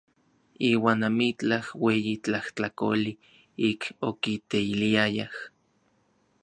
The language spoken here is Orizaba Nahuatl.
Iuan amitlaj ueyi tlajtlakoli ik okiteiliayaj.